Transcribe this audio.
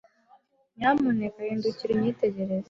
Nyamuneka hindukira unyitegereze.